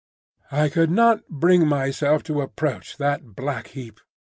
I could not bring myself to approach that black heap.